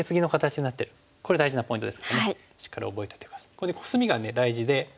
ここでコスミが大事で。